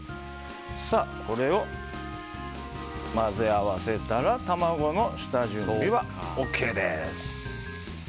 これを混ぜ合わせたら卵の下準備はＯＫです。